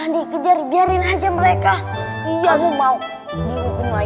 ditambah lagi hukumannya